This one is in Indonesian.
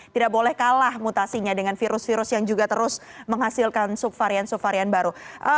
tidak boleh kalah mutasinya dengan virus virus yang juga terus menghasilkan subvarian subvarian baru